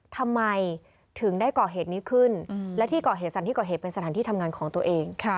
ทำไมถึงได้ก่อเหตุนี้ขึ้นและที่ก่อเหตุสถานที่ก่อเหตุเป็นสถานที่ทำงานของตัวเอง